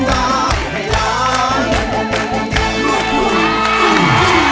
ร้องได้ให้ร้าง